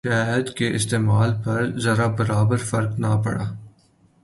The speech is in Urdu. شہد کے استعمال پر ذرہ برابر فرق نہ پڑا۔